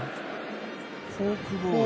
フォークボール